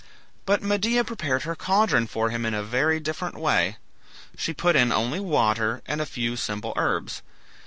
But Medea prepared her caldron for him in a very different way. She put in only water and a few simple herbs.